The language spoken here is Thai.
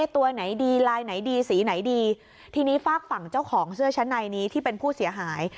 ตัวไหนดีลายไหนดีสีไหนดีทีนี้ฝากฝั่งเจ้าของเสื้อชั้นในนี้ที่เป็นผู้เสียหาย